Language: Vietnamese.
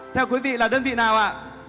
theo quý vị là đơn vị nào ạ